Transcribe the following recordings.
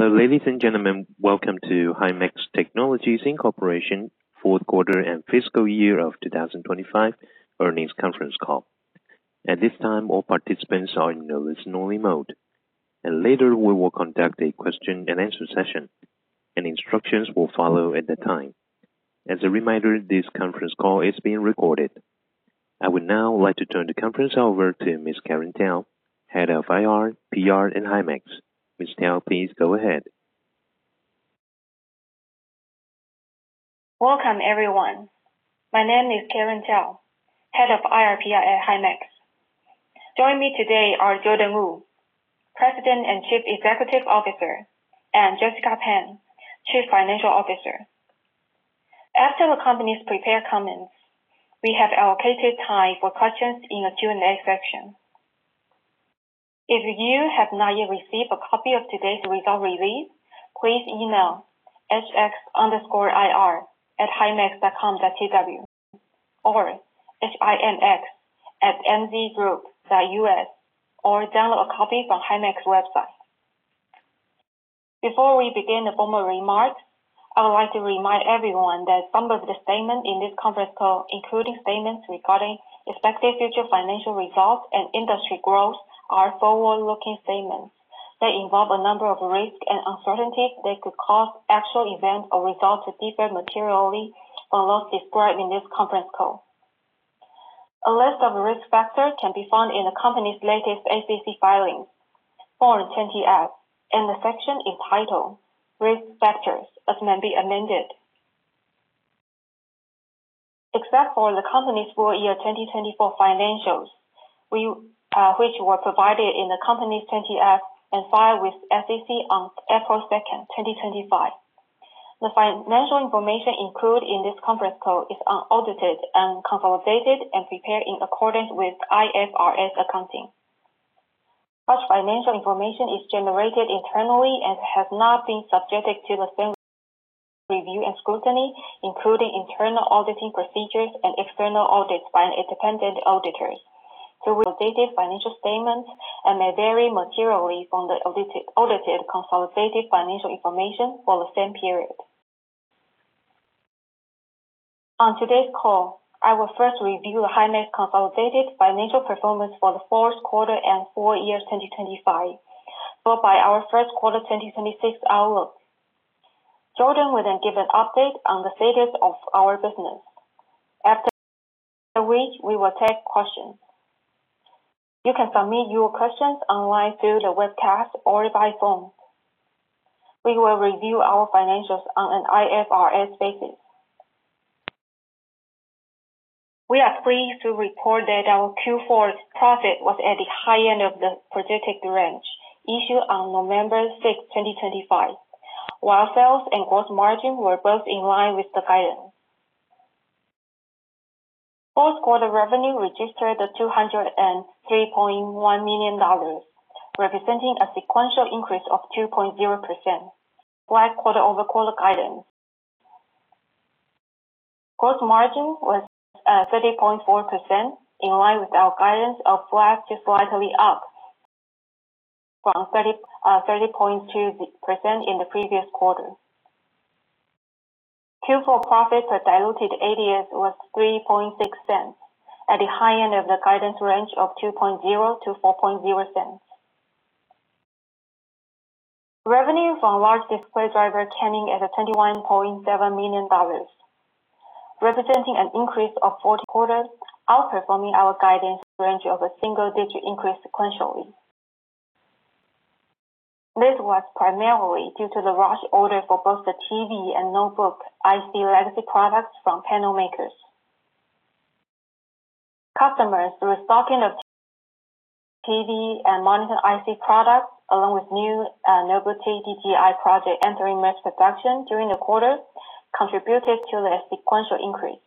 Hello, ladies and gentlemen. Welcome to Himax Technologies Incorporated fourth quarter and fiscal year of 2025 earnings conference call. At this time, all participants are in the listen-only mode, and later we will conduct a question and answer session, and instructions will follow at that time. As a reminder, this conference call is being recorded. I would now like to turn the conference over to Ms. Karen Tiao, Head of IR, PR at Himax. Ms. Tiao, please go ahead. Welcome, everyone. My name is Karen Tiao, Head of IR/PR at Himax. Joining me today are Jordan Wu, President and Chief Executive Officer, and Jessica Pan, Chief Financial Officer. After the company's prepared comments, we have allocated time for questions in the Q&A section. If you have not yet received a copy of today's result release, please email hx_ir@himax.com.tw or himx@mzgroup.us, or download a copy from Himax website. Before we begin the formal remarks, I would like to remind everyone that some of the statements in this conference call, including statements regarding expected future financial results and industry growth, are forward-looking statements. They involve a number of risks and uncertainties that could cause actual events or results to differ materially from those described in this conference call. A list of risk factors can be found in the company's latest SEC filings, Form 20-F, in the section entitled Risk Factors, as may be amended. Except for the company's full year 2024 financials, we, which were provided in the company's 20-F and filed with SEC on April 2, 2025. The financial information included in this conference call is unaudited and consolidated and prepared in accordance with IFRS accounting. Such financial information is generated internally and has not been subjected to the same review and scrutiny, including internal auditing procedures and external audits by independent auditors to financial statements, and may vary materially from the audited, audited consolidated financial information for the same period. On today's call, I will first review Himax consolidated financial performance for the fourth quarter and full year 2025, followed by our first quarter 2026 outlook. Jordan will then give an update on the status of our business. After which, we will take questions. You can submit your questions online through the webcast or by phone. We will review our financials on an IFRS basis. We are pleased to report that our Q4 profit was at the high end of the projected range, issued on November 6, 2025. While sales and gross margin were both in line with the guidance. Fourth quarter revenue registered at $203.1 million, representing a sequential increase of 2.0% quarter-over-quarter guidance. Gross margin was 30.4%, in line with our guidance of flat to slightly up from 30.2% in the previous quarter. Q4 profit per diluted ADS was $0.036, at the high end of the guidance range of $0.02-$0.04. Revenue from large display driver came in at $21.7 million, representing an increase of four quarters, outperforming our guidance range of a single digit increase sequentially. This was primarily due to the rush order for both the TV and notebook IC legacy products from panel makers. Customers, through stocking of TV and monitor IC products, along with new notebook TDDI project entering mass production during the quarter, contributed to the sequential increase.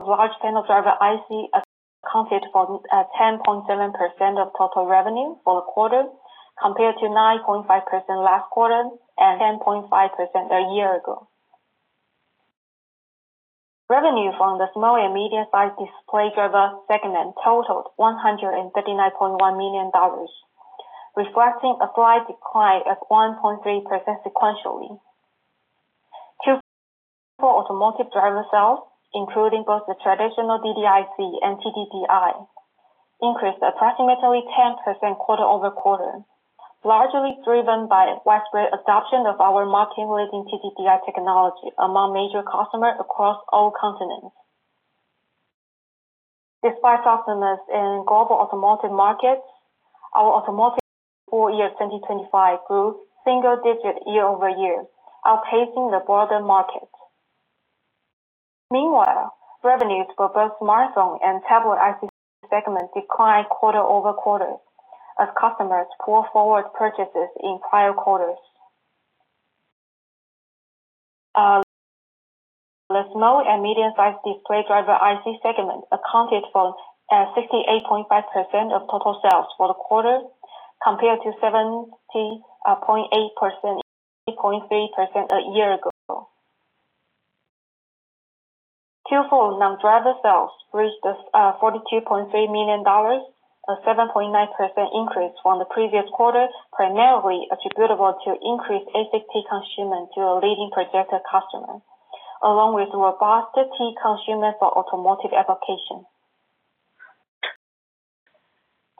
Large panel driver IC accounted for 10.7% of total revenue for the quarter, compared to 9.5% last quarter and 10.5% a year ago. Revenue from the small and medium-sized display driver segment totaled $139.1 million, reflecting a slight decline of 1.3% sequentially. Automotive driver sales, including both the traditional DDIC and TDDI, increased approximately 10% quarter-over-quarter, largely driven by widespread adoption of our market-leading TDDI technology among major customers across all continents. Despite softness in global automotive markets, our automotive full-year 2025 grew single-digit year-over-year, outpacing the broader market. Meanwhile, revenues for both smartphone and tablet IC segments declined quarter-over-quarter as customers pulled forward purchases in prior quarters. The small and medium-sized display driver IC segment accounted for 68.5% of total sales for the quarter, compared to 70.8%, 0.3% a year ago. Q4 non-driver sales reached $42.3 million, a 7.9% increase from the previous quarter, primarily attributable to increased ASP consumption to a leading projector customer, along with robust T-CON consumption for automotive application.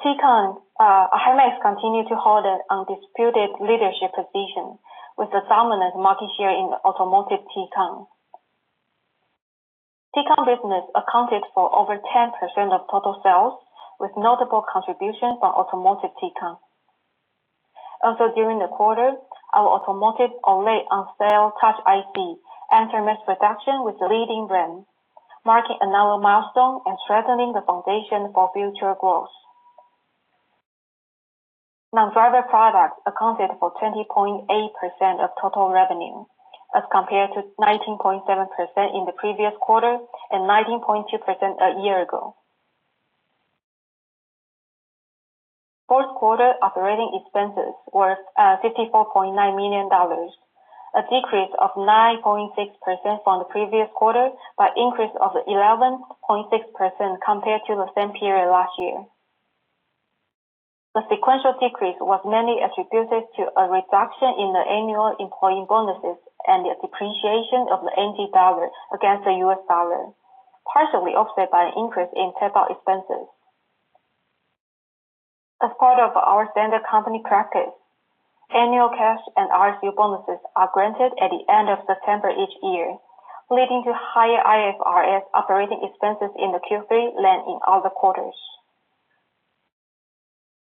T-CON, Himax continued to hold an undisputed leadership position with a dominant market share in the automotive T-CON. T-CON business accounted for over 10% of total sales, with notable contribution from automotive T-CON. Also, during the quarter, our automotive OLED on-cell touch IC entered mass production with the leading brand, marking another milestone and strengthening the foundation for future growth. Non-driver products accounted for 20.8% of total revenue, as compared to 19.7% in the previous quarter and 19.2% a year ago. Fourth quarter operating expenses were 54.9 million dollars, a decrease of 9.6% from the previous quarter, but increase of 11.6% compared to the same period last year. The sequential decrease was mainly attributed to a reduction in the annual employee bonuses and the depreciation of the NT dollar against the US dollar, partially offset by an increase in payroll expenses. As part of our standard company practice, annual cash and RSU bonuses are granted at the end of September each year, leading to higher IFRS operating expenses in the Q3 than in other quarters.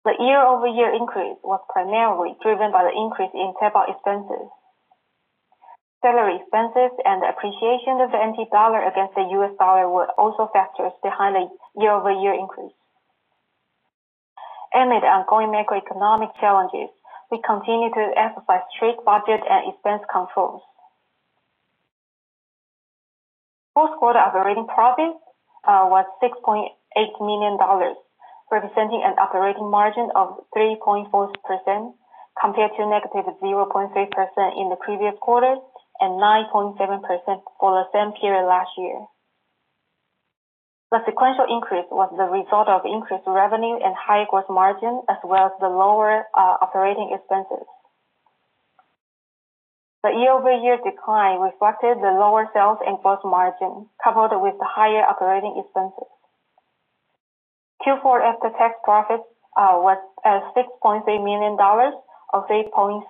The year-over-year increase was primarily driven by the increase in payroll expenses. Salary expenses and the appreciation of the NT dollar against the US dollar were also factors behind the year-over-year increase. Amid the ongoing macroeconomic challenges, we continue to emphasize strict budget and expense controls. Fourth quarter operating profit was $6.8 million, representing an operating margin of 3.4% compared to -0.3% in the previous quarter and 9.7% for the same period last year. The sequential increase was the result of increased revenue and higher gross margin, as well as the lower operating expenses. The year-over-year decline reflected the lower sales and gross margin, coupled with higher operating expenses. Q4 after-tax profits was $6.8 million, or $0.086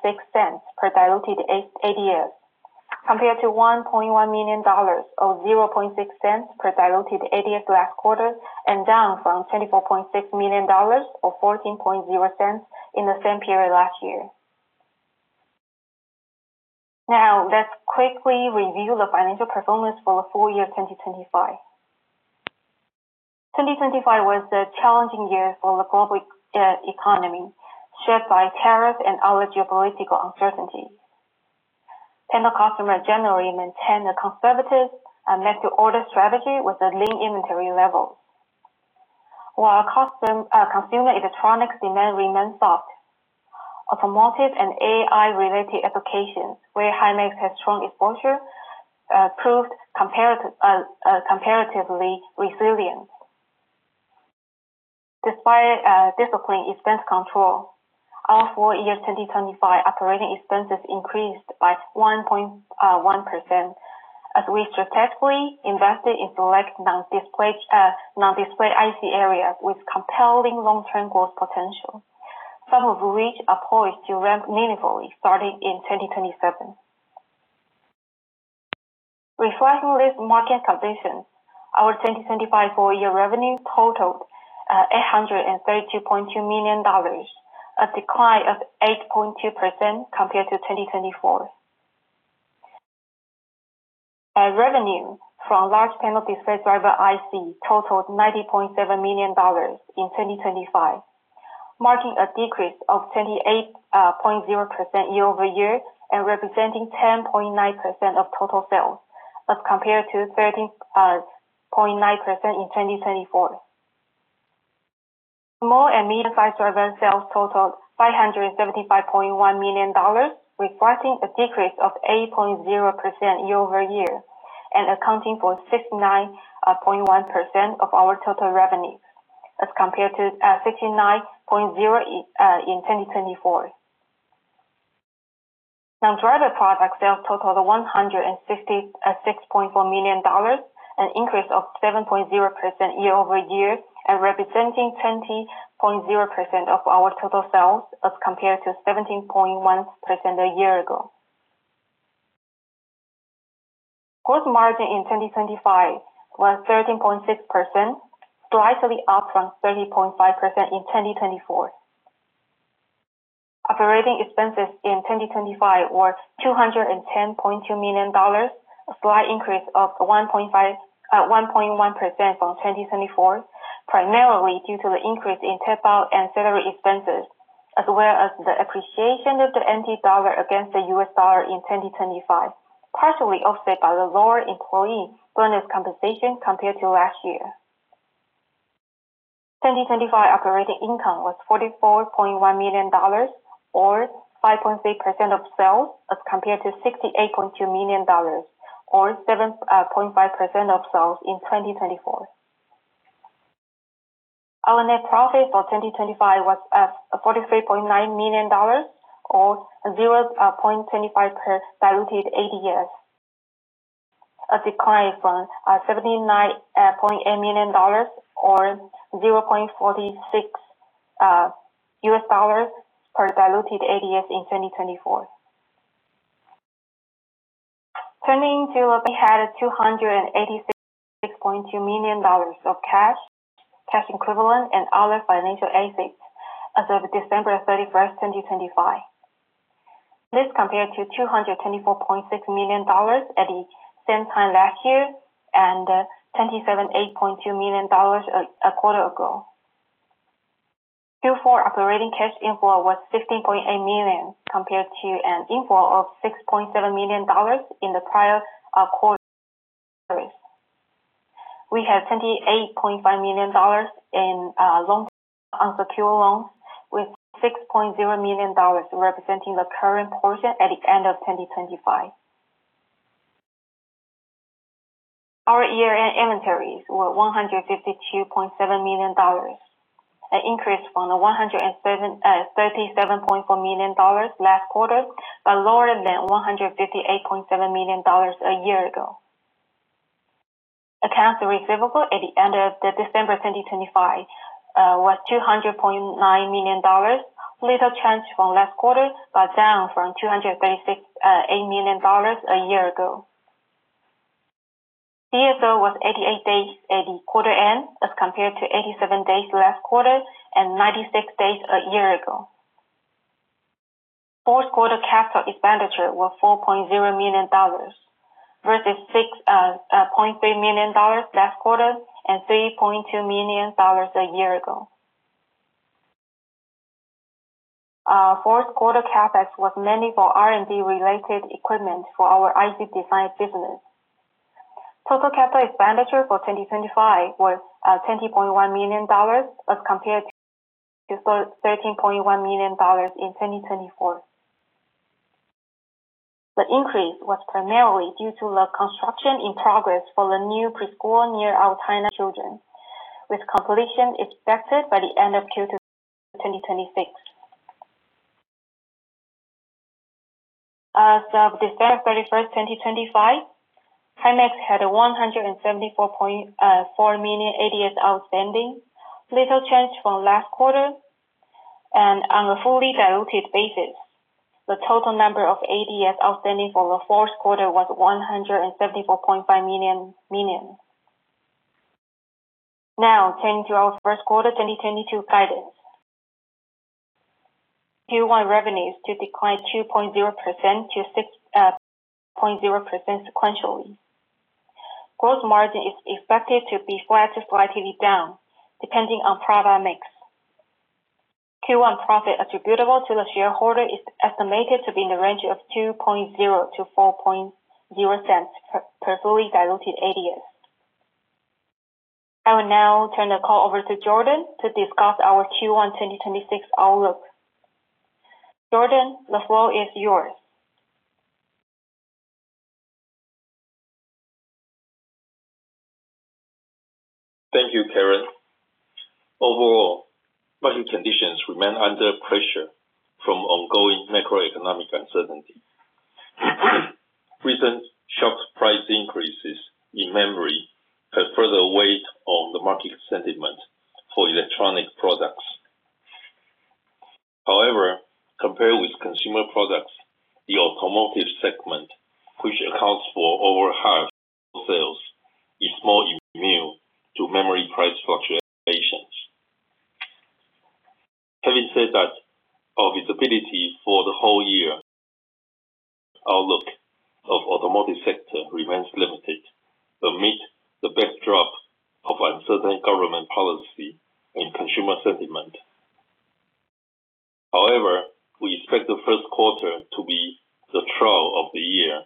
per diluted ADS, compared to $1.1 million, or $0.006 per diluted ADS last quarter, and down from $24.6 million, or $0.14 in the same period last year. Now, let's quickly review the financial performance for the full year 2025. 2025 was a challenging year for the global economy, shaped by tariff and other geopolitical uncertainties. Panel customers generally maintained a conservative make-to-order strategy with a lean inventory level. While custom consumer electronics demand remained soft, automotive and AI-related applications, where Himax has strong exposure, proved comparatively resilient. Despite disciplined expense control, our full year 2025 operating expenses increased by 1%, as we strategically invested in select non-display IC areas with compelling long-term growth potential, some of which are poised to ramp meaningfully starting in 2027. Reflecting this market conditions, our 2025 full year revenue totaled $832.2 million, a decline of 8.2% compared to 2024. Our revenue from large panel display driver IC totaled $90.7 million in 2025, marking a decrease of 28.0% year-over-year and representing 10.9% of total sales, as compared to 13.9% in 2024. Small and medium-sized driver sales totaled $575.1 million, reflecting a decrease of 8.0% year-over-year, and accounting for 69.1% of our total revenue, as compared to 69.0% in 2024. Non-driver product sales totaled $166.4 million, an increase of 7.0% year-over-year, and representing 20.0% of our total sales, as compared to 17.1% a year ago. Gross margin in 2025 was 13.6%, slightly up from 30.5% in 2024. Operating expenses in 2025 were $210.2 million, a slight increase of 1.1% from 2024, primarily due to the increase in payout and salary expenses, as well as the appreciation of the NT dollar against the US dollar in 2025, partially offset by the lower employee bonus compensation compared to last year. 2025 operating income was $44.1 million or 5.3% of sales, as compared to $68.2 million or 7.5% of sales in 2024. Our net profit for 2025 was $43.9 million or 0.25 per diluted ADS, a decline from $79.8 million or 0.46 US dollars per diluted ADS in 2024. Turning to, we had $286.2 million of cash, cash equivalent and other financial assets as of December 31, 2025. This compared to $224.6 million at the same time last year, and $278.2 million a quarter ago. Q4 operating cash inflow was $16.8 million, compared to an inflow of $6.7 million in the prior quarter. We have $28.5 million in long-term unsecured loans, with $6.0 million representing the current portion at the end of 2025. Our year-end inventories were $152.7 million, an increase from the $107.4 million last quarter, but lower than $158.7 million a year ago. Accounts receivable at the end of December 2025 was $200.9 million. Little change from last quarter, but down from $236.8 million a year ago. DSO was 88 days at the quarter end, as compared to 87 days last quarter and 96 days a year ago. Fourth quarter capital expenditure was $4.0 million, versus $6.3 million last quarter and $3.2 million a year ago. Fourth quarter CapEx was mainly for R&D-related equipment for our IC design business. Total capital expenditure for 2025 was $20.1 million, as compared to $13.1 million in 2024. The increase was primarily due to the construction in progress for the new pre-school near our China children, with completion expected by the end of Q2 2026. As of December 31, 2025, Himax had 174.4 million ADS outstanding. Little change from last quarter, and on a fully diluted basis, the total number of ADS outstanding for the fourth quarter was 174.5 million. Now turning to our Q1 2022 guidance. Q1 revenues to decline 2.0%-6.0% sequentially. Gross margin is expected to be flat to slightly down, depending on product mix. Q1 profit attributable to the shareholder is estimated to be in the range of $0.02-$0.04 per fully diluted ADS. I will now turn the call over to Jordan to discuss our Q1 2026 outlook. Jordan, the floor is yours. Thank you, Karen. Overall, market conditions remain under pressure from ongoing macroeconomic uncertainty. Recent sharp price increases in memory put further weight on the market sentiment for electronic products. However, compared with consumer products, the automotive segment, which accounts for over half sales, is more immune to memory price fluctuations. Having said that, our visibility for the whole year outlook of automotive sector remains limited, amid the backdrop of uncertain government policy and consumer sentiment. However, we expect the first quarter to be the trough of the year,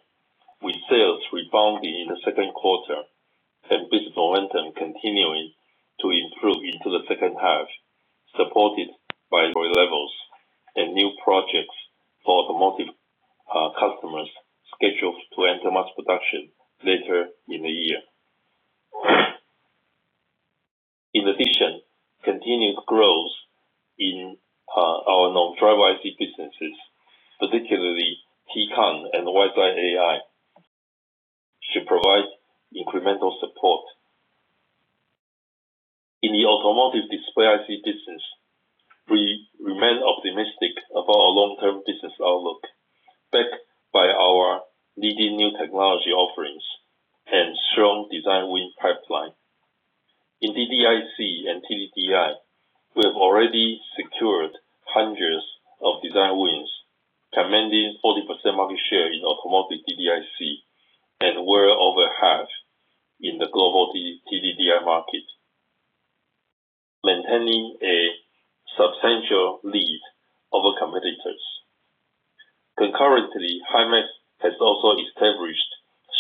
with sales rebounding in the second quarter and business momentum continuing to improve into the second half, supported by levels and new projects for automotive customers scheduled to enter mass production later in the year. In addition, continued growth in our non-driver IC businesses, particularly T-Con and WiseEye, should provide incremental support. In the automotive display IC business, we remain optimistic about our long-term business outlook, backed by our leading new technology offerings and strong design win pipeline. In DDIC and TDDI, we have already secured hundreds of design wins, commanding 40% market share in automotive DDIC, and well over half in the global TDDI market, has also established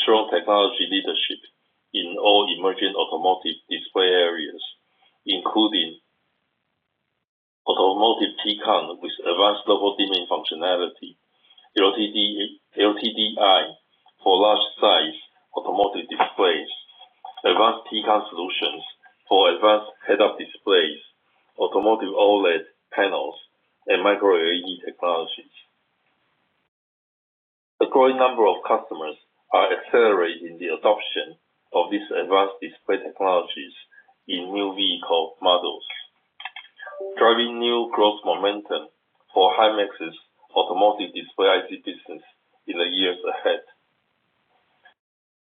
strong technology leadership in all emerging automotive display areas, including automotive T-CON with advanced local dimming functionality, LTDI for large size automotive displays, advanced T-CON solutions for advanced head-up displays, automotive OLED panels, and micro LED technologies. A growing number of customers are accelerating the adoption of these advanced display technologies in new vehicle models, driving new growth momentum for Himax's automotive display IC business in the years ahead.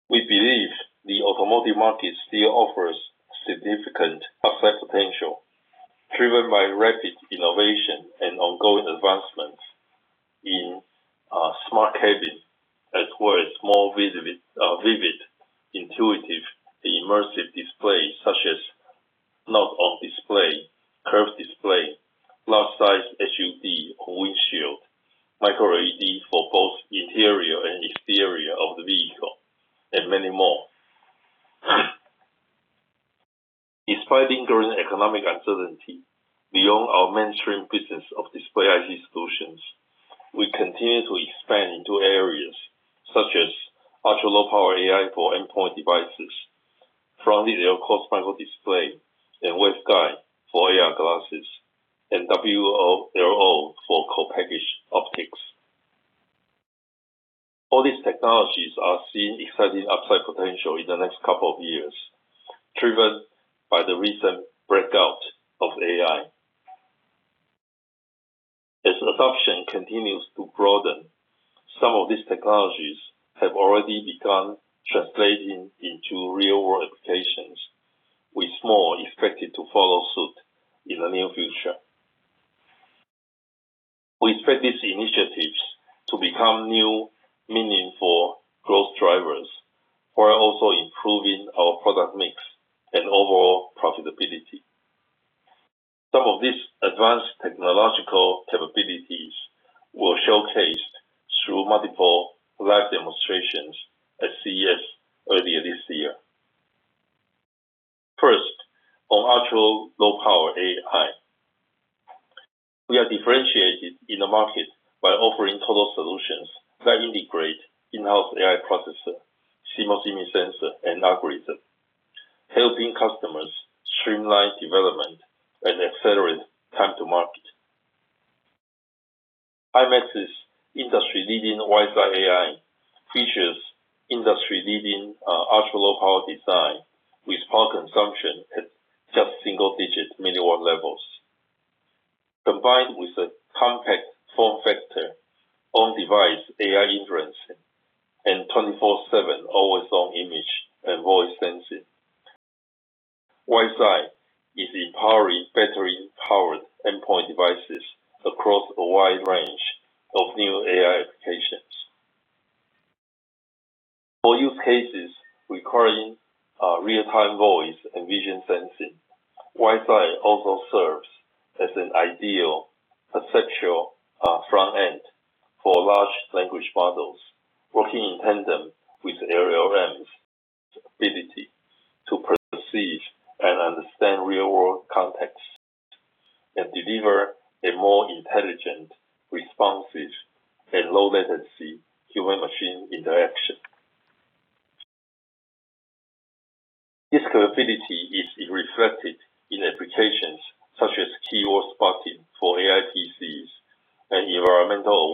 We believe the automotive market still offers significant upside potential, driven by rapid innovation and ongoing advancements in smart cabins, as well as more vivid, intuitive, and immersive displays, such as Knob-on-Display, curved display, large size HUD or windshield, micro LED for both interior and exterior of the vehicle, and many more. Despite lingering economic uncertainty, beyond our mainstream business of display IC solutions, we continue to expand into areas such as ultra-low power AI for endpoint devices, front-lit microdisplay, and waveguide for AR glasses, and WLO for co-packaged optics. All these technologies are seeing exciting upside potential in the next couple of years, driven by the recent breakout of AI. As adoption continues to broaden, some of these technologies have already begun translating into real-world applications, with more expected to follow suit in the near future. We expect these initiatives to become new meaningful growth drivers, while also improving our product mix and overall profitability. Some of these advanced technological capabilities were showcased through multiple live demonstrations at CES earlier this year. First, on ultra-low power AI. We are differentiated in the market by offering total solutions that integrate in-house AI processor, CMOS image sensor, and algorithm, helping customers streamline development and accelerate time to market. Himax's industry-leading WiseEye AI features industry-leading, ultra-low power design, with power consumption at just single digit milliwatt levels. Combined with a compact form factor on device AI inference and 24/7 always-on image and voice sensing, WiseEye is empowering battery-powered endpoint devices across a wide range of new AI applications. For use cases requiring real-time voice and vision sensing, WiseEye also serves as an ideal perceptual front end for large language models, working in tandem with LLM's ability to perceive and understand real-world context, and deliver a more intelligent, responsive, and low-latency human-machine interaction. This capability is reflected in applications such as keyword spotting for AI PCs and environmental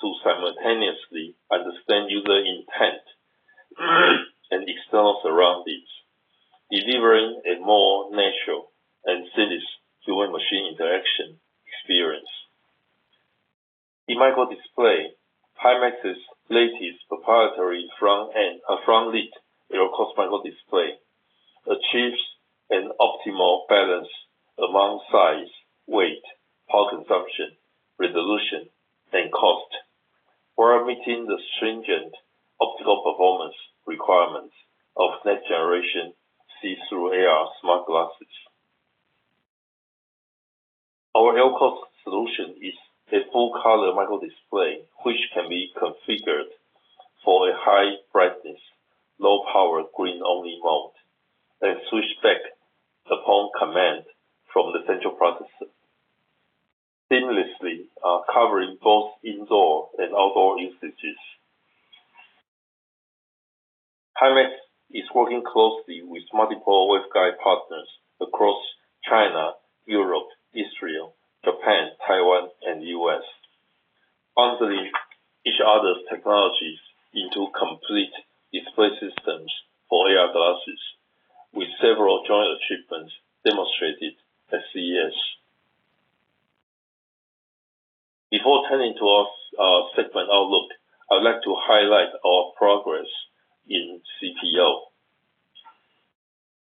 to simultaneously understand user intent, and external surroundings, delivering a more natural and seamless human machine interaction experience. In micro display, Himax's latest proprietary front-end, front-lit, LCoS micro display, achieves an optimal balance among size, weight, power consumption, resolution, and cost, while meeting the stringent optical performance requirements of next generation see-through AR smart glasses. Our LCoS solution is a full color micro display, which can be configured for a high brightness, low power, green-only mode, and switch back upon command from the central processor, seamlessly, covering both indoor and outdoor instances. Himax is working closely with multiple waveguide partners across China, Europe, Israel, Japan, Taiwan, and U.S., bundling each other's technologies into complete display systems for AR glasses, with several joint achievements demonstrated at CES. Before turning to our segment outlook, I would like to highlight our progress in CPO.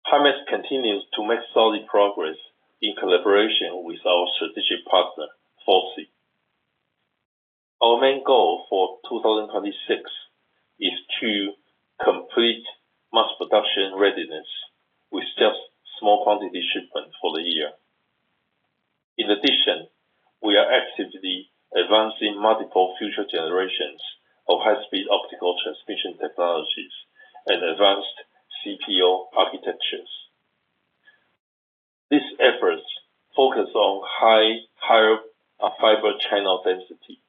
Himax continues to make solid progress in collaboration with our strategic partner, FOCI. Our main goal for 2026 is to complete mass production readiness with just small quantity shipments for the year. In addition, we are actively advancing multiple future generations of high-speed optical transmission technologies and advanced CPO architectures. These efforts focus on higher fiber channel density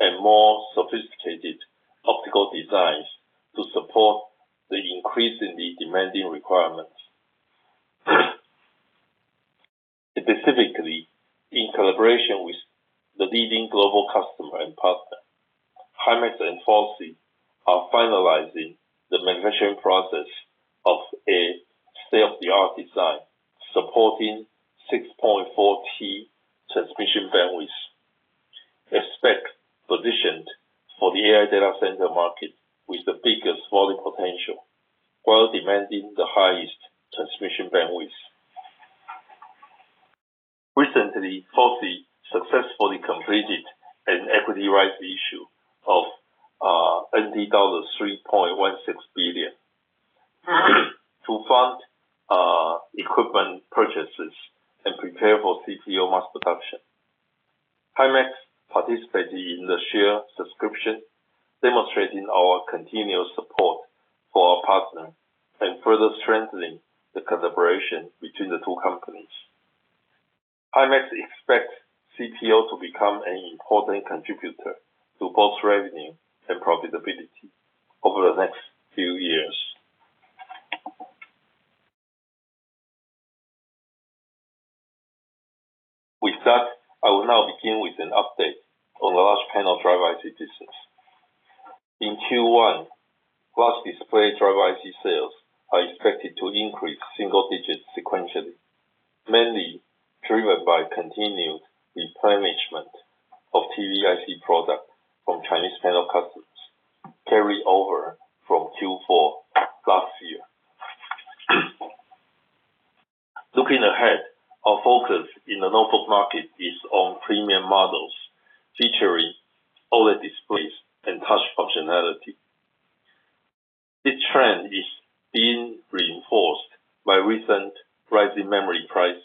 and more sophisticated optical designs to support the increasingly demanding requirements. Specifically, in collaboration with the leading global customer and partner, Himax and FOCI are finalizing the manufacturing process of a state-of-the-art design, supporting 6.4 T transmission bandwidth. Expect positioned for the AI data center market with the biggest volume potential, while demanding the highest transmission bandwidth. Recently, FOCI successfully completed an equity rights issue of dollars 3.16 billion, to fund equipment purchases and prepare for CPO mass production. Himax participated in the share subscription, demonstrating our continuous support for our partner and further strengthening the collaboration between the two companies. Himax expects CPO to become an important contributor to both revenue and profitability over the next few years. With that, I will now begin with an update on the large panel drive IC business. In Q1, large display drive IC sales are expected to increase single digits sequentially, mainly driven by continued replenishment of TV IC product from Chinese panel customers, carryover from Q4 last year. Looking ahead, our focus in the notebook market is on premium models, featuring OLED displays and touch functionality. This trend is being reinfored by recent rising memory prices,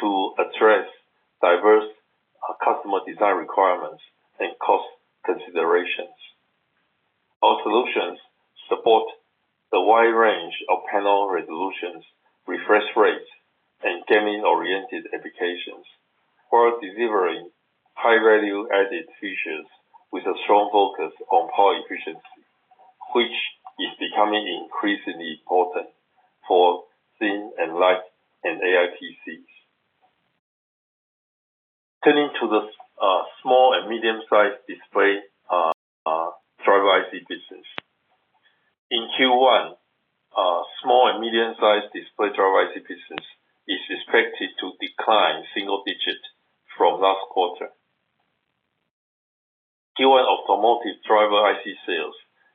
to address diverse customer design requirements and cost considerations. Our solutions support a wide range of panel resolutions, refresh rates, and gaming-oriented applications, while delivering high value added features with a strong focus on power efficiency, which is becoming increasingly important for thin and light, and AI PCs. Turning to the small and medium-sized display driver IC business. In Q1, small and medium-sized display driver IC business is expected to decline single digits from last quarter. Q1 automotive driver IC sales,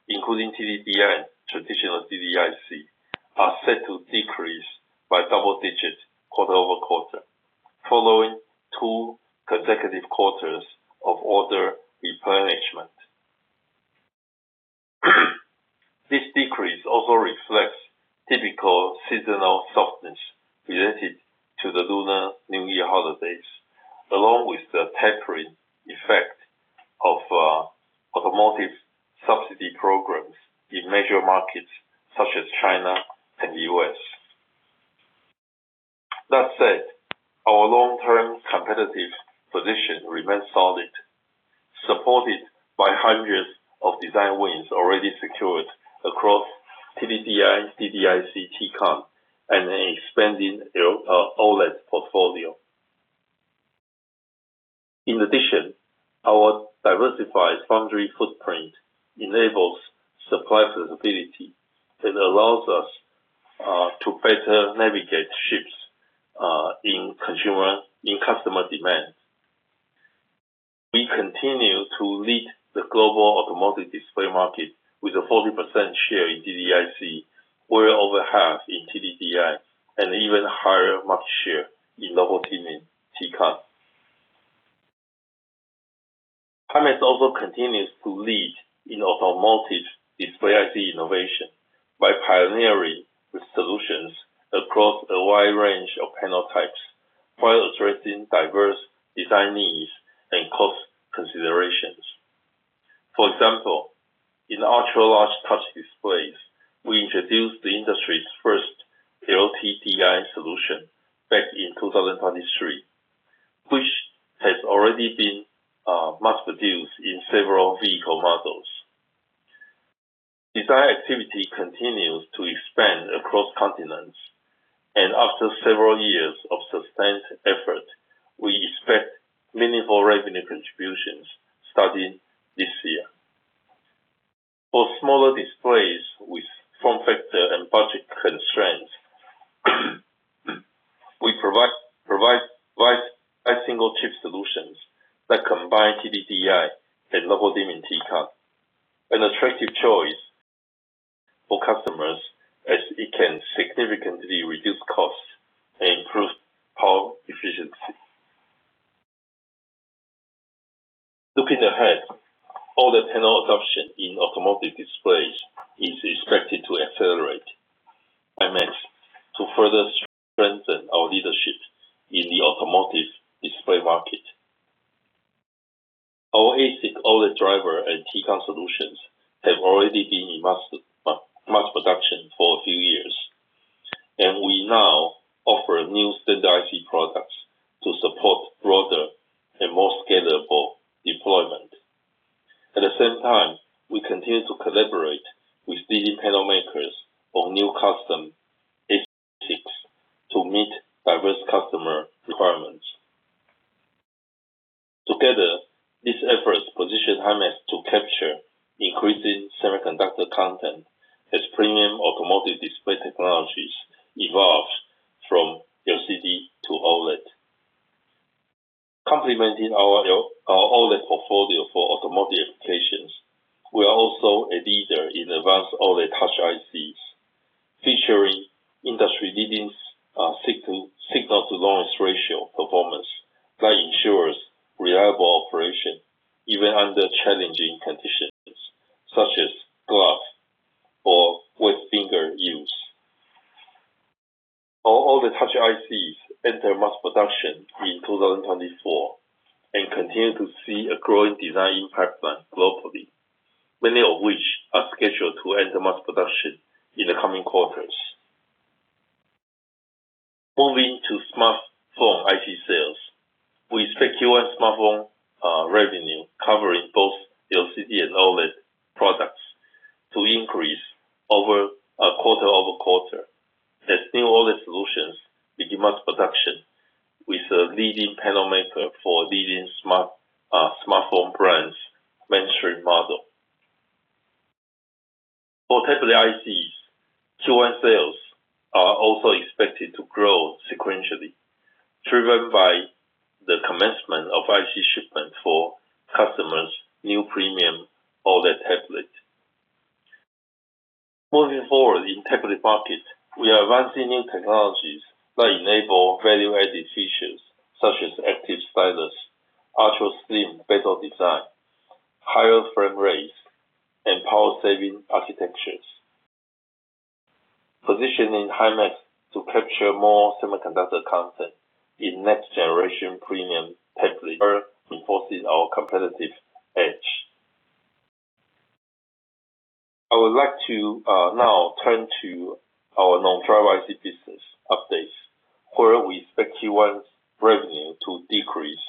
including TDDI and traditional DDIC, are set to decrease by double digits quarter-over-quarter, following two consecutive quarters of order replenishment. This decrease also reflects typical seasonal softness related to the Lunar New Year holidays, along with the tapering effect of automotive subsidy programs in major markets such as China and the US. That said, our long-term competitive position remains solid, supported by hundreds of design wins already secured across TDDI, DDIC, T-Con, and an expanding OLED portfolio. In addition, our diversified foundry footprint enables supply flexibility that allows us to better navigate shifts in customer demand. We continue to lead the global automotive display market with a 40% share in DDIC, well over half in TDDI, and even higher market share in local dimming T-Con. Himax also continues to lead in automotive display IC innovation by pioneering the solutions across a wide range of panel types, while addressing diverse design needs and cost considerations. For example, in ultra-large touch displays, we introduced the industry's first LTDI solution back in 2023, which has already been mass produced in several vehicle models. Design activity continues to expand across continents, and after several years of sustained effort, we expect meaningful revenue contributions starting this year. For smaller displays with form factor and budget constraints, we provide wide single-chip solutions that combine TDDI and Local Dimming T-Con. An attractive choice for customers as it can significantly reduce costs and improve power efficiency. Looking ahead, all the panel adoption in automotive displays is expected to accelerate, and to further strengthen our leadership in the automotive display market. Our ASIC, OLED driver, and T-Con solutions have already been in mass production for a few years, and we now offer new standard IC products to support broader and more scalable deployment. At the same time, we continue to collaborate with DD panel makers on new custom ASICs to meet diverse customer requirements. Together, these efforts position Himax to capture increasing semiconductor content as premium automotive display technologies evolve from LCD to OLED. Complementing our OLED portfolio for automotive applications, we are also a leader in advanced OLED touch ICs, featuring industry-leading signal-to-noise ratio performance that ensures reliable operation, even under challenging conditions, such as gloves or wet finger use. Our OLED touch ICs enter mass production in 2024, and continue to see a growing design pipeline globally, many of which are scheduled to enter mass production in the coming quarters. Moving to smartphone IC sales, we expect Q1 smartphone TDDI and OLED products to increase over quarter-over-quarter. The new OLED solutions begin mass production with a leading panel maker for leading smartphone brands, mainstream model. For tablet ICs, Q1 sales are also expected to grow sequentially, driven by the commencement of IC shipment for customers' new premium OLED tablet. Moving forward, in tablet market, we are advancing new technologies that enable value-added features such as active stylus, ultra-slim bezel design, higher frame rates, and power-saving architectures. Positioning Himax to capture more semiconductor content in next-generation premium tablet reinforces our competitive edge. I would like to now turn to our non-driver IC business updates, where we expect Q1's revenue to decrease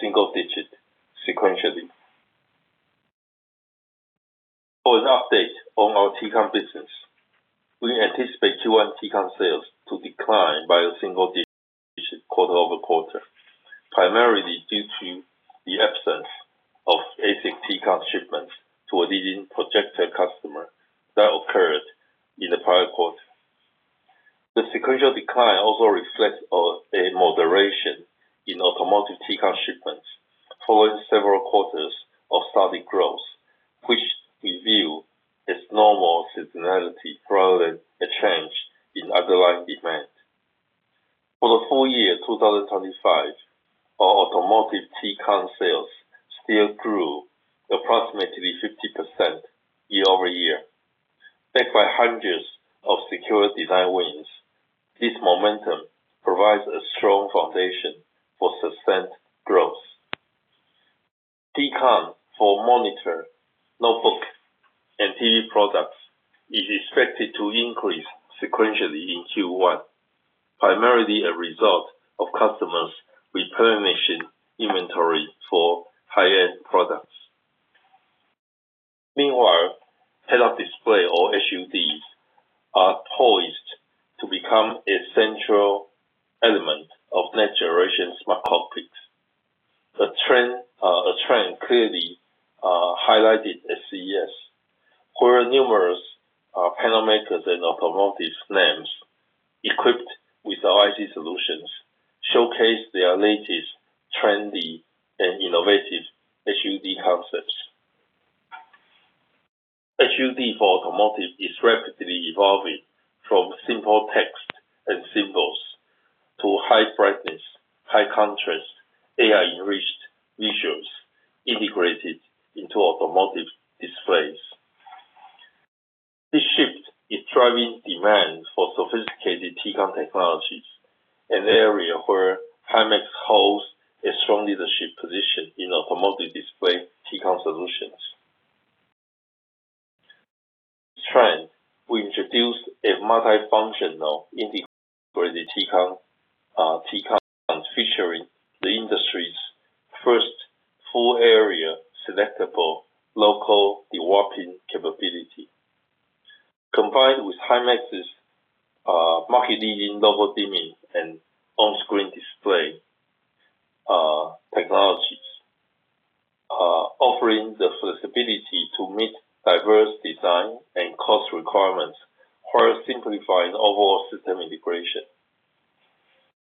single-digit sequentially. For an update on our T-Con business, we anticipate Q1 T-Con sales to decline by a single-digit quarter-over-quarter, primarily due to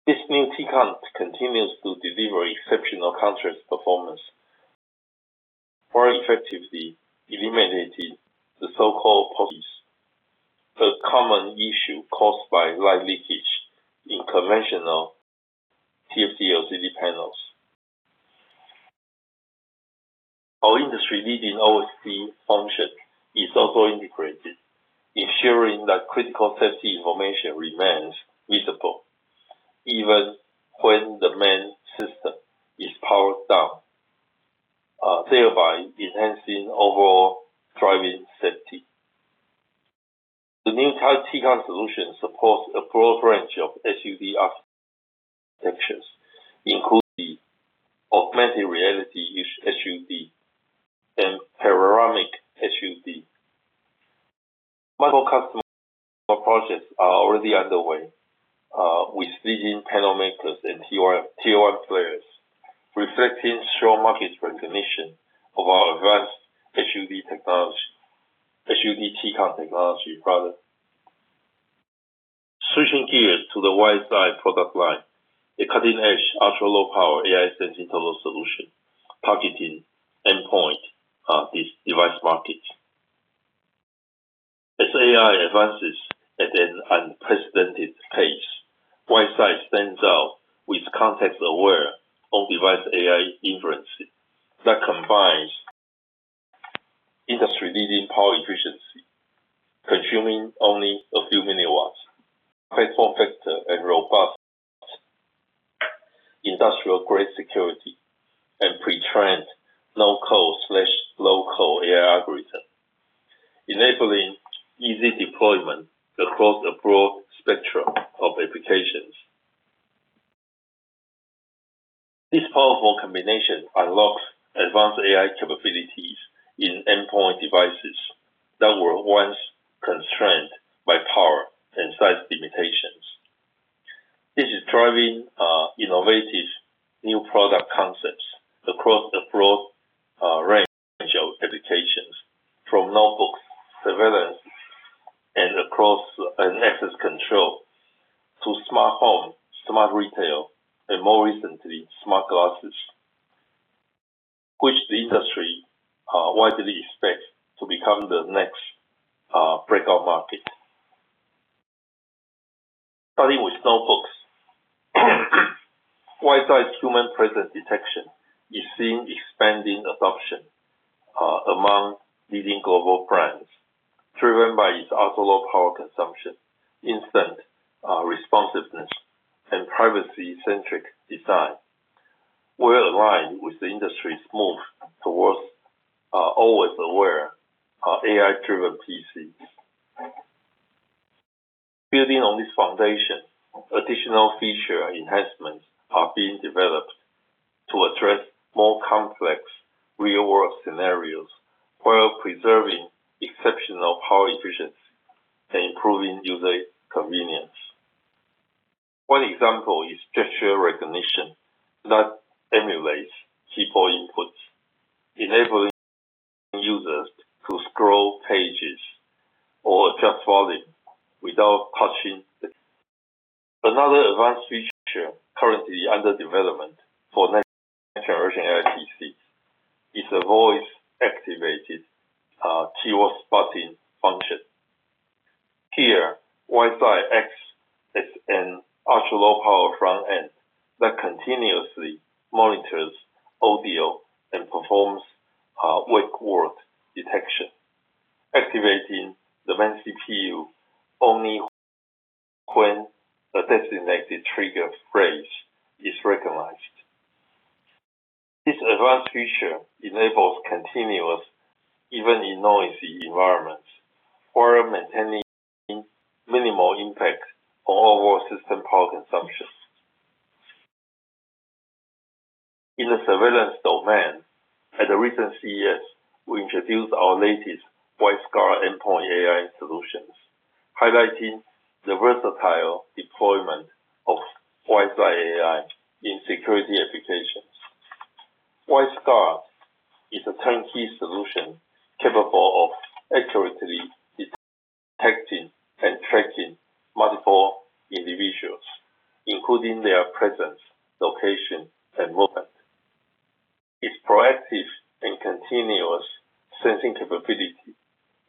This new T-Con continues to deliver exceptional contrast performance, while effectively eliminating the so-called pops, a common issue caused by light leakage in conventional TFT-LCD panels. Our industry-leading OSD function is also integrated, ensuring that critical safety information remains visible even when the main system is powered down, thereby enhancing overall driving safety. The new T-Con solution supports a broad range of HUD architectures, including augmented reality HUD and panoramic HUD. Multiple customer projects are already underway with leading panel makers and Tier 1 players, reflecting strong market recognition of our advanced HUD technology, HUD T-Con technology product. Switching gears to the WiseEye product line, a cutting-edge, ultralow-power AI sensing solution, targeting endpoint device market. As AI advances at an unprecedented pace, WiseEye stands out with context-aware on-device AI inferencing that combines industry-leading power efficiency, consuming only a few milliwatts, form factor and robust industrial-grade security, and pre-trained no-code/low-code AI algorithm, enabling easy deployment across a broad spectrum of applications. This powerful combination unlocks advanced AI capabilities in endpoint devices that were once constrained by power and size limitations. This is driving innovative new product concepts across a broad range of applications, from notebooks, surveillance, and access control, to smart home, smart retail, and more recently, smart glasses, which the industry widely expects to become the next breakout market. Starting with notebooks, WiseEye human presence detection is seeing expanding adoption among leading global brands, driven by its ultra-low power consumption, instant responsiveness, and privacy-centric design. Well aligned with the industry's move towards always aware AI-driven PCs. Building on this foundation, additional feature enhancements are being developed to address more complex real-world scenarios, while preserving exceptional power efficiency and improving user convenience. One example is gesture recognition that emulates keyboard inputs, enabling users to scroll pages or adjust volume without touching. Another advanced feature currently under development for next generation AI PCs is a voice-activated keyword spotting function. Here, WiseEye acts as an ultra-low power front end that continuously monitors audio and performs wake word detection, activating the main CPU only when a designated trigger phrase is recognized. This advanced feature enables continuous, even in noisy environments, while maintaining minimal impact on overall system power consumption. In the surveillance domain, at a recent CES, we introduced our latest WiseGuard Endpoint AI solutions, highlighting the versatile deployment of WiseEye AI in security applications. WiseGuard is a turnkey solution capable of accurately detecting and tracking multiple individuals, including their presence, location, and movement. Its proactive and continuous sensing capability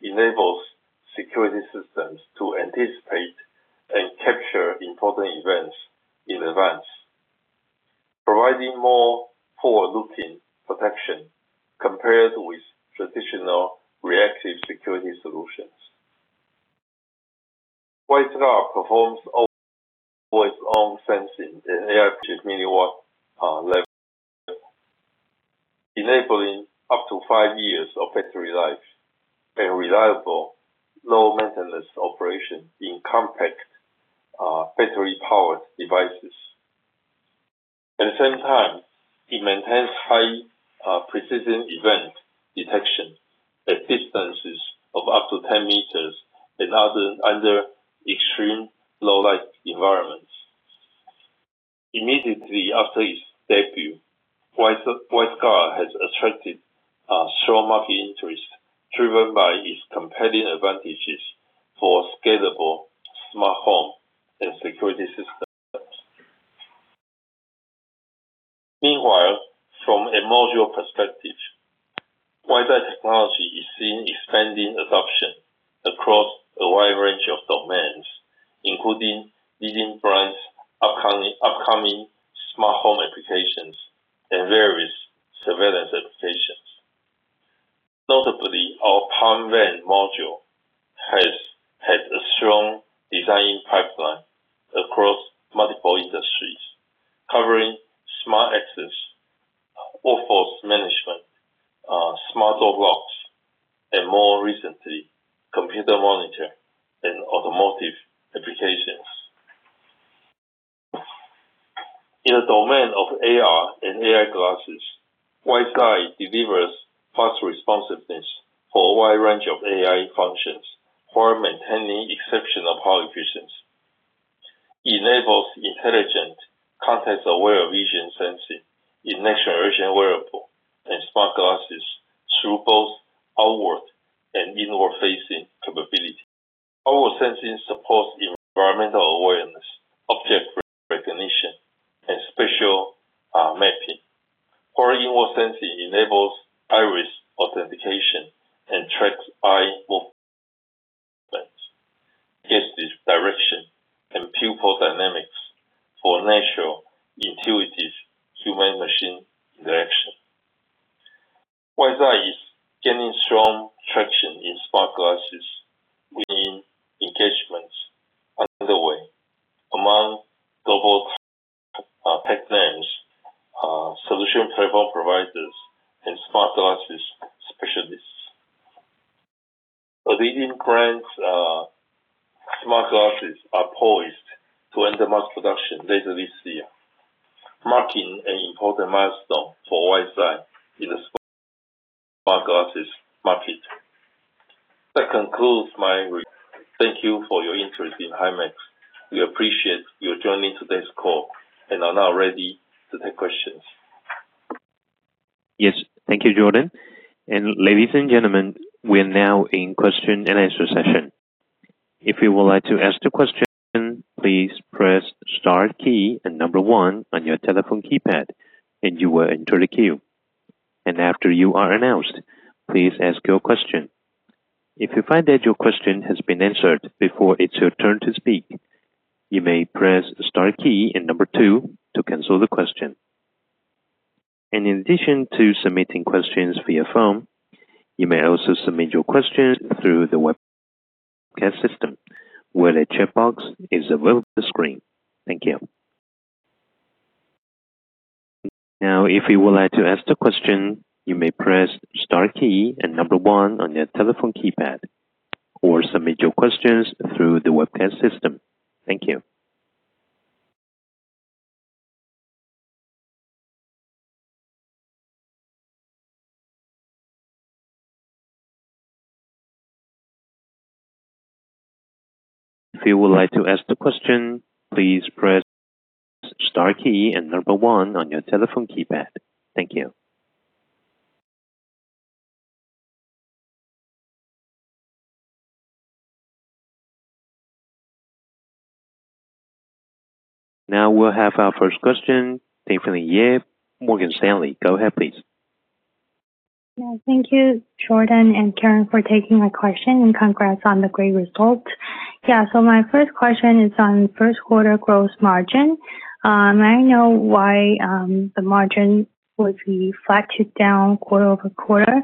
enables security systems to anticipate and capture important events in advance, providing more forward-looking protection compared with traditional reactive security solutions. WiseGuard performs always-on sensing and AI milliwatt level, enabling up to five years of battery life and reliable, low-maintenance operation in compact battery-powered devices. At the same time, it maintains high precision event detection at distances of up to 10 meters under extreme low light environments. Immediately after its debut, WiseGuard has attracted strong market interest, driven by its compelling advantages for scalable, smart home, and security systems. Meanwhile, from a module perspective, WiseEye technology is seeing expanding adoption across a wide range of domains, including leading brands, upcoming smart home applications, and various surveillance applications. Notably, our PalmVein module has had a strong design pipeline across multiple industries, covering smart access, workforce management, smart door locks, and more recently, computer monitoring and automotive applications. In the domain of AR and AI glasses, WiseEye delivers fast responsiveness for a wide range of AI functions, while maintaining exceptional power efficiency. Enables intelligent, context-aware vision sensing in next-generation wearable and smart glasses through both outward and inward-facing capability. Outward sensing supports environmental awareness, object recognition, and spatial mapping, while inward sensing enables iris authentication and tracks eye movements, gaze direction, and pupil dynamics for natural, intuitive human-machine interaction. WiseEye is gaining strong traction in smart glasses, winning engagements underway among global tech names, solution platform providers, and smart glasses ODMs. These smart glasses are poised to enter mass production later this year, marking an important milestone for WiseEye in the smart glasses market. That concludes my re-- Thank you for your interest in Himax. We appreciate you joining today's call and are now ready to take questions. Yes. Thank you, Jordan. Ladies and gentlemen, we are now in question and answer session. If you would like to ask the question, please press star key and number one on your telephone keypad, and you will enter the queue. After you are announced, please ask your question. If you find that your question has been answered before it's your turn to speak, you may press star key and number two to cancel the question. In addition to submitting questions via phone, you may also submit your question through the webcast system, where the checkbox is available on the screen. Thank you. Now, if you would like to ask the question, you may press star key and number one on your telephone keypad, or submit your questions through the webcast system. Thank you. If you would like to ask the question, please press star key and number one on your telephone keypad. Thank you. Now we'll have our first question from Tiffany Yip, Morgan Stanley. Go ahead, please. Yeah. Thank you, Jordan and Karen, for taking my question, and congrats on the great results. Yeah, so my first question is on first quarter gross margin. I know why the margin would be flat to down quarter over quarter.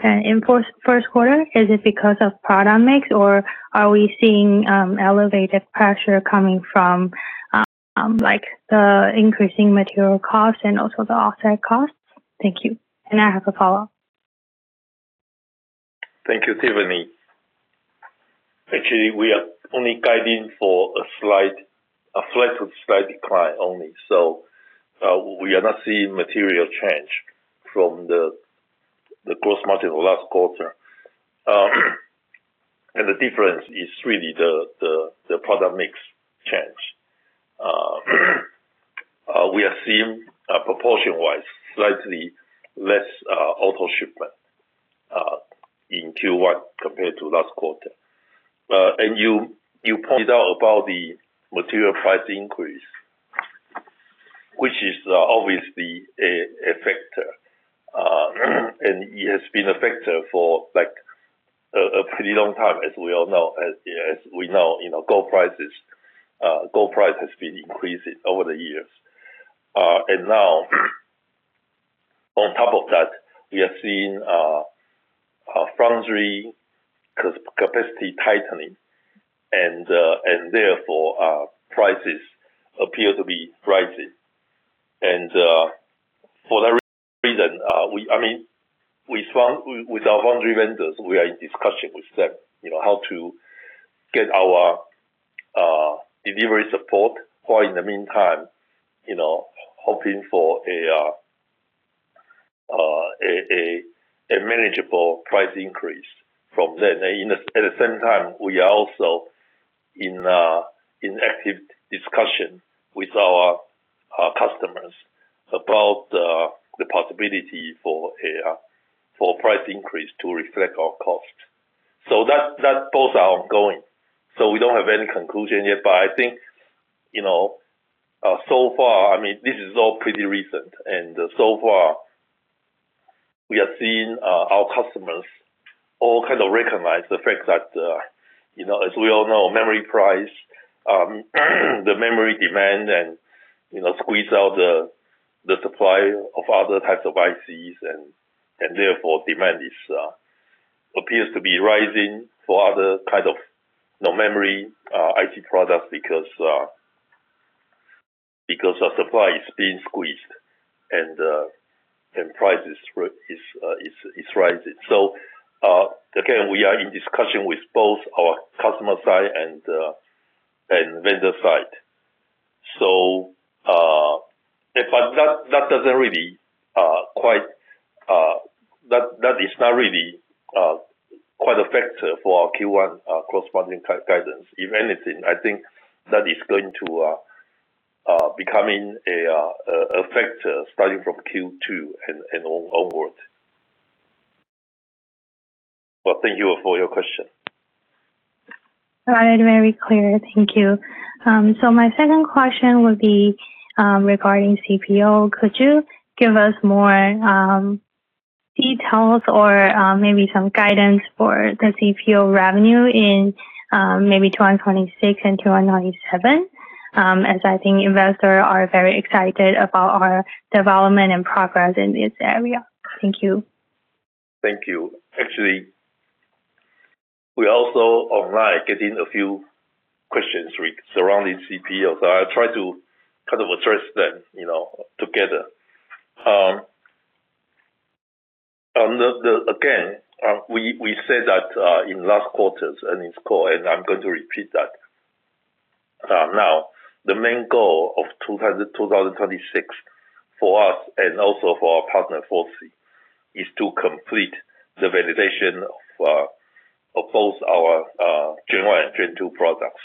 And in first, first quarter, is it because of product mix, or are we seeing elevated pressure coming from like the increasing material costs and also the outside costs? Thank you. And I have a follow-up. Thank you, Tiffany. Actually, we are only guiding for a slight, a flat to slight decline only. So, we are not seeing material change from the gross margin last quarter. And the difference is really the product mix change. We are seeing, proportion-wise, slightly less auto shipment in Q1 compared to last quarter. And you pointed out about the material price increase, which is obviously a factor. And it has been a factor for, like, a pretty long time, as we all know. As we know, you know, gold prices, gold price has been increasing over the years. And now, on top of that, we are seeing a foundry capacity tightening and therefore prices appear to be rising. For that reason, I mean, with our foundry vendors, we are in discussion with them, you know, how to get our delivery support, while in the meantime, you know, hoping for a manageable price increase from them. And at the same time, we are also in active discussion with our customers about the possibility for a price increase to reflect our cost. So that both are ongoing, so we don't have any conclusion yet. But I think, you know, so far, I mean, this is all pretty recent, and so far, we are seeing our customers all kind of recognize the fact that, you know, as we all know, memory price, the memory demand and, you know, squeeze out the supply of other types of ICs, and therefore, demand appears to be rising for other kind of non-memory IT products because the supply is being squeezed, and price is rising. So, again, we are in discussion with both our customer side and vendor side. So, but that doesn't really quite... That is not really quite a factor for our Q1 corresponding guidance. If anything, I think that is going to becoming a factor starting from Q2 and onwards. But thank you for your question. All right. Very clear. Thank you. So my second question would be regarding CPO. Could you give us more details or maybe some guidance for the CPO revenue in maybe 2026 and 2027? As I think investors are very excited about our development and progress in this area. Thank you. Thank you. Actually, we also, online, getting a few questions regarding CPO, so I'll try to kind of address them, you know, together. We said that in last quarters and it's core, and I'm going to repeat that. Now, the main goal of 2026 for us and also for our partner, FOCI, is to complete the validation of both our Gen 1 and Gen 2 products.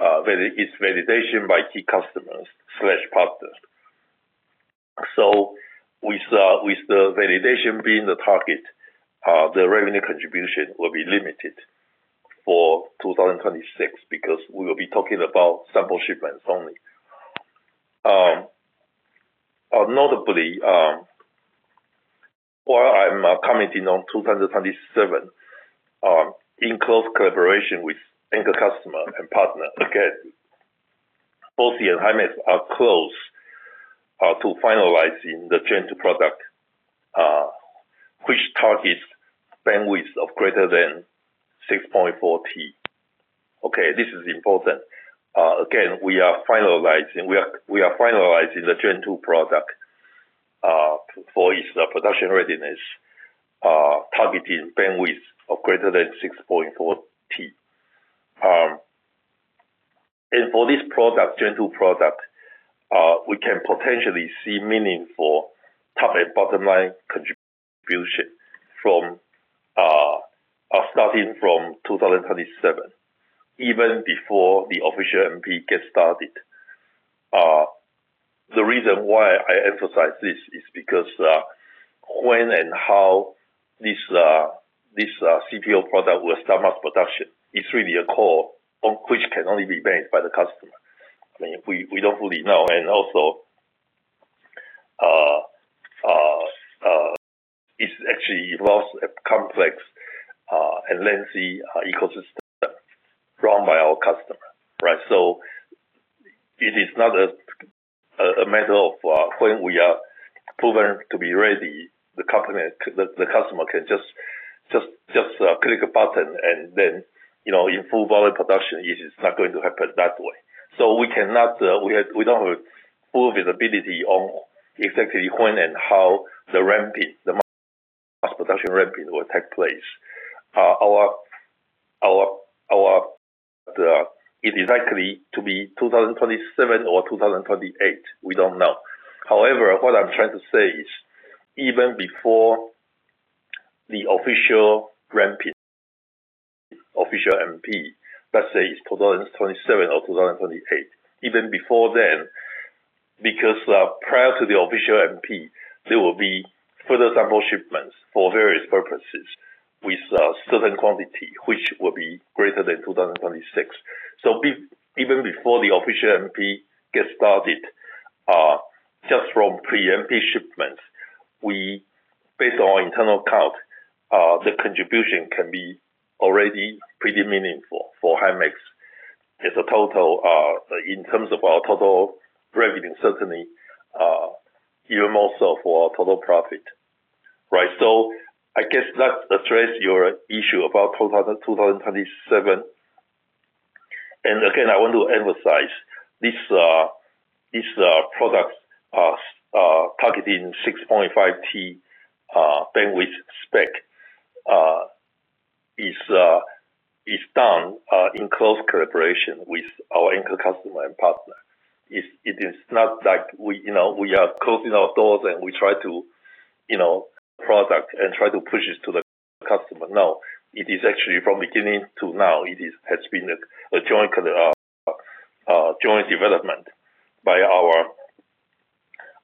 It's validation by key customers/partners. So with the validation being the target, the revenue contribution will be limited for 2026 because we will be talking about sample shipments only. Notably, while I'm commenting on 2027, in close collaboration with anchor customer and partner, again, FOCI and Himax are close to finalizing the Gen 2 product, which targets bandwidth of greater than 6.4 T. Okay, this is important. Again, we are finalizing, we are, we are finalizing the Gen 2 product for its production readiness, targeting bandwidth of greater than 6.4 T. And for this product, Gen 2 product, we can potentially see meaningful top and bottom line contribution from starting from 2027, even before the official MP gets started. The reason why I emphasize this is because, when and how this, this, CPO product will start mass production is really a call on which can only be made by the customer. I mean, we don't fully know, and also, it actually involves a complex and lengthy ecosystem run by our customer, right? So it is not a matter of when we are proven to be ready, the customer can just click a button and then, you know, in full volume production, it is not going to happen that way. So we cannot, we don't have full visibility on exactly when and how the ramping, the mass production ramping will take place. It is likely to be 2027 or 2028. We don't know. However, what I'm trying to say is, even before the official ramping, official MP, let's say it's 2027 or 2028, even before then, because, prior to the official MP, there will be further sample shipments for various purposes with, certain quantity, which will be greater than 2026. So even before the official MP gets started, just from pre-MP shipments, we, based on our internal count, the contribution can be already pretty meaningful for Himax as a total, in terms of our total revenue, certainly, even more so for our total profit, right? So I guess that address your issue about 2027. And again, I want to emphasize this product targeting 6.5 T bandwidth spec is done in close collaboration with our anchor customer and partner. It is not like we, you know, we are closing our doors and we try to, you know, product and try to push it to the customer. No, it is actually from beginning to now, it has been a joint development by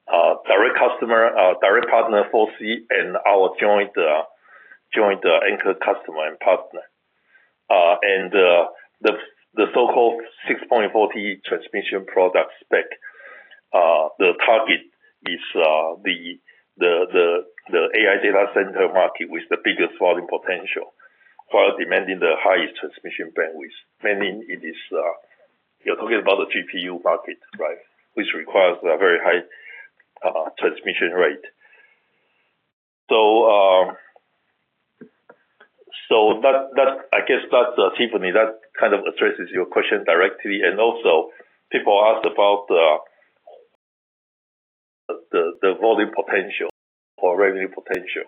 our direct customer, direct partner, FOCI, and our joint anchor customer and partner. And, the so-called 6.4 T transmission product spec, the target is the AI data center market with the biggest volume potential, while demanding the highest transmission bandwidth, meaning it is, you're talking about the GPU market, right? Which requires a very high transmission rate. So, that I guess, Tiffany, that kind of addresses your question directly. And also, people ask about the volume potential or revenue potential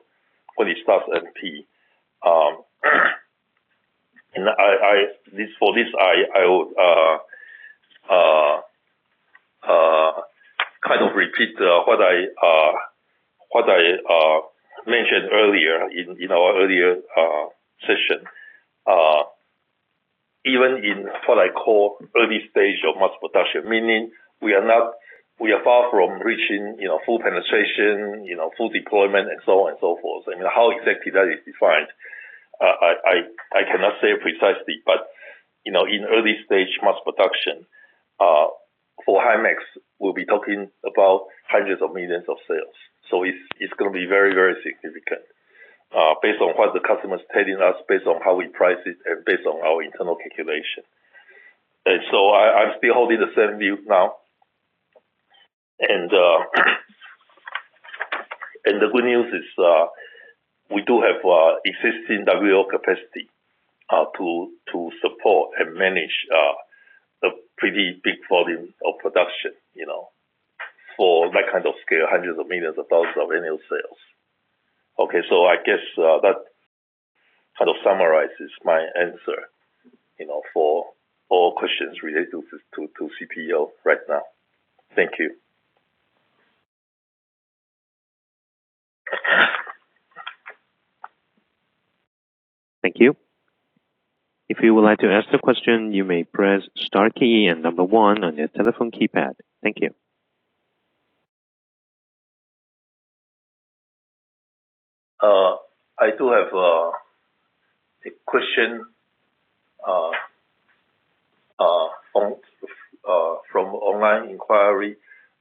when it starts MP. And I, for this, I would kind of repeat what I mentioned earlier in our earlier session. Even in what I call early stage of mass production, meaning we are not, we are far from reaching, you know, full penetration, you know, full deployment and so on and so forth. I mean, how exactly that is defined, I cannot say precisely, but you know, in early stage mass production, for Himax, we'll be talking about hundreds of millions of sales. So it's gonna be very, very significant, based on what the customer is telling us, based on how we price it, and based on our internal calculation. And so I'm still holding the same view now. And the good news is, we do have existing WL capacity to support and manage pretty big volume of production, you know, for that kind of scale, $hundreds of millions of annual sales. Okay. So I guess that kind of summarizes my answer, you know, for all questions related to CPO right now. Thank you. Thank you. If you would like to ask the question, you may press star key and number one on your telephone keypad. Thank you. I do have a question from online inquiry.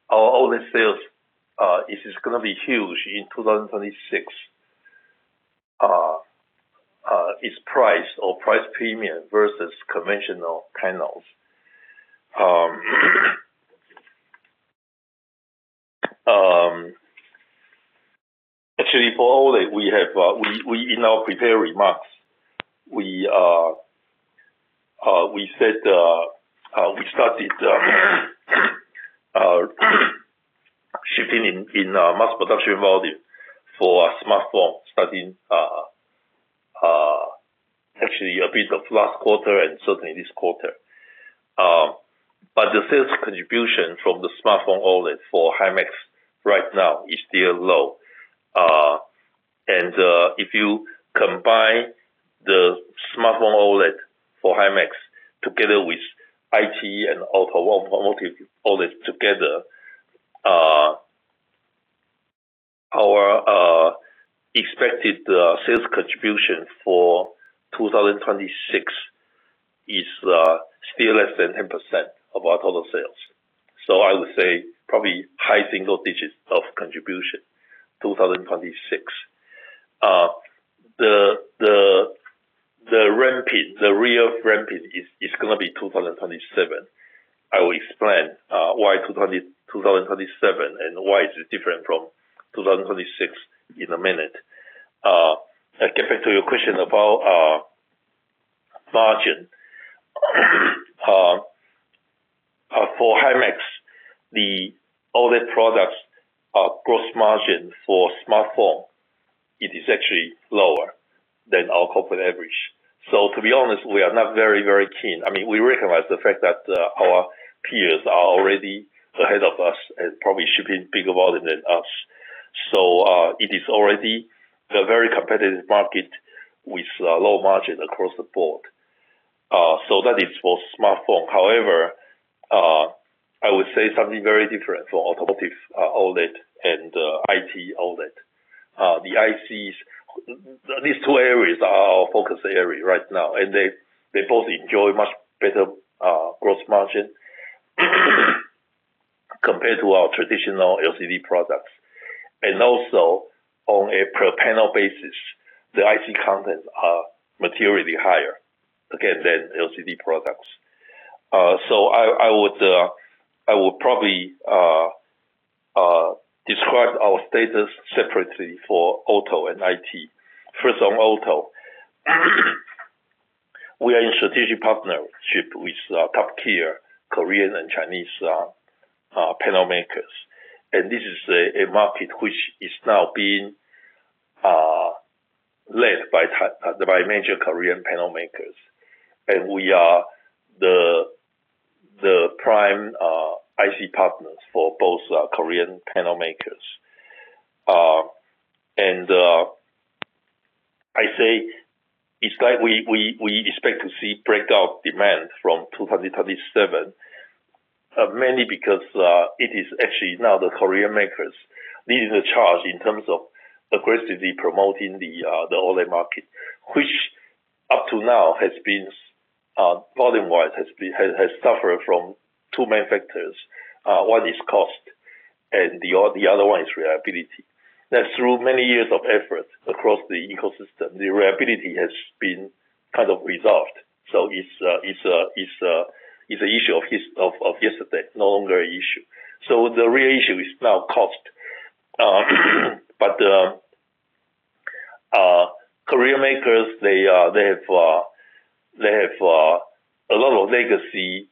Our OLED sales is gonna be huge in 2026. Is price or price premium versus conventional panels? Actually, for all that we have, we in our prepared remarks, we said we started shifting in mass production volume for a smartphone, starting actually a bit of last quarter and certainly this quarter. But the sales contribution from the smartphone OLED for Himax right now is still low. And if you combine the smartphone OLED for Himax together with IT and automotive OLED together, our expected sales contribution for 2026 is still less than 10% of our total sales. So I would say probably high single digits of contribution, 2026. The, the, the ramp, the real ramp is gonna be 2027. I will explain why 2027 and why it's different from 2026 in a minute. Getting back to your question about margin. For Himax, the OLED products, gross margin for smartphone, it is actually lower than our corporate average. So to be honest, we are not very, very keen. I mean, we recognize the fact that our peers are already ahead of us and probably shipping bigger volume than us. So it is already a very competitive market with low margin across the board. So that is for smartphone. However, I would say something very different for automotive OLED and IT OLED. The ICs, these two areas are our focus area right now, and they both enjoy much better gross margin, compared to our traditional LCD products. Also on a per panel basis, the IC contents are materially higher, again, than LCD products. So I would probably describe our status separately for auto and IT. First, on auto, we are in strategic partnership with top-tier Korean and Chinese panel makers, and this is a market which is now being led by major Korean panel makers. And we are the prime IC partners for both Korean panel makers. And I say it's like we expect to see breakout demand from 2027, mainly because it is actually now the Korean makers leading the charge in terms of aggressively promoting the OLED market, which up to now has been, volume-wise, has suffered from two main factors. One is cost and the other one is reliability. That through many years of effort across the ecosystem, the reliability has been kind of resolved. So it's an issue of yesterday, no longer an issue. So the real issue is now cost. But Korean makers, they have a lot of legacy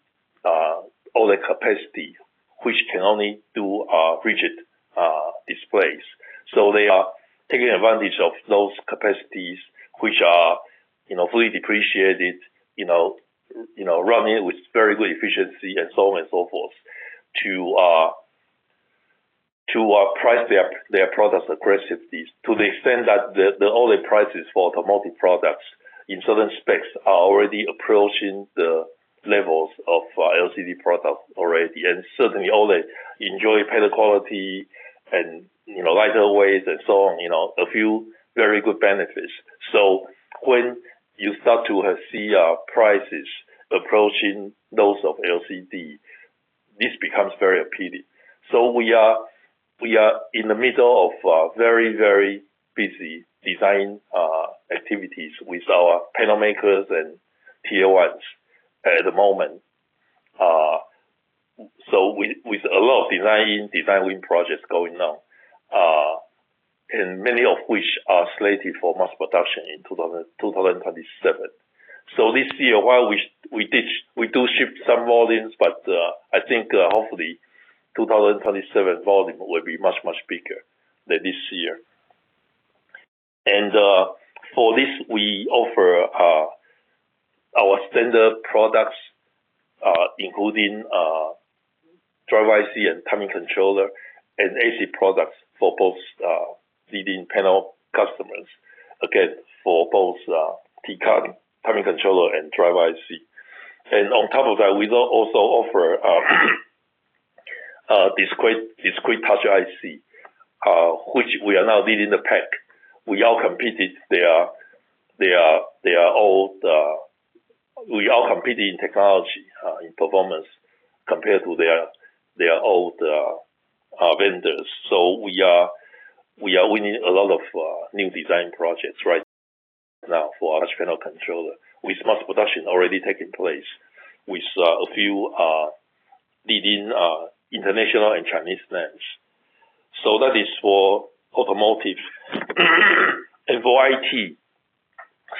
OLED capacity, which can only do rigid displays. So they are taking advantage of those capacities, which are, you know, fully depreciated, you know, you know, running with very good efficiency and so on and so forth, to, to price their, their products aggressively. To the extent that the, the OLED prices for automotive products in certain specs are already approaching the levels of, LCD products already, and certainly OLED enjoy better quality and, you know, lighter weight and so on, you know, a few very good benefits. So when you start to, see, prices approaching those of LCD, this becomes very appealing. So we are, we are in the middle of, very, very busy design, activities with our panel makers and tier ones at the moment. So with, with a lot of design, designing projects going on... And many of which are slated for mass production in 2027. So this year, while we, we did, we do ship some volumes, but, I think, hopefully 2027 volume will be much, much bigger than this year. And, for this, we offer, our standard products, including, driver IC and timing controller and PCAP products for both, leading panel customers. Again, for both, PCAP, timing controller and driver IC. And on top of that, we also offer, discrete, discrete touch IC, which we are now leading the pack. We out-competed their, their, their old, we out-competed in technology, in performance compared to their, their old, vendors. So we are winning a lot of new design projects right now for our touch controller, with mass production already taking place, with a few leading international and Chinese names. So that is for automotive. And for IT,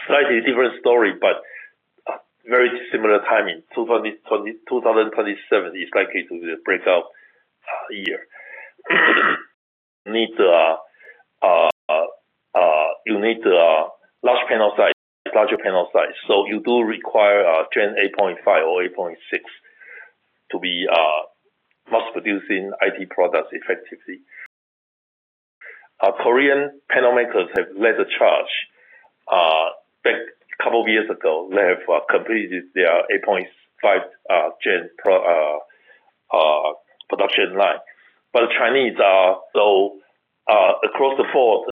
slightly different story, but very similar timing. 2020, 2027 is likely to be a breakout year. Need to large panel size, larger panel size. So you do require Gen 8.5 or 8.6 to be mass producing IT products effectively. Our Korean panel makers have led the charge back a couple of years ago. They have completed their 8.5 Gen production line. But the Chinese are, so, across the board,